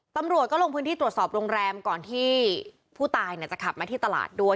ตำรวจก็ลงพื้นที่ตรวจสอบโรงแรมก่อนที่ผู้ตายจะขับมาที่ตลาดด้วย